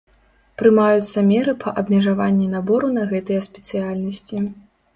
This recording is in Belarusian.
Прымаюцца меры па абмежаванні набору на гэтыя спецыяльнасці.